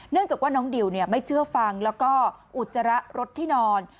จากว่าน้องดิวไม่เชื่อฟังแล้วก็อุจจาระรถที่นอน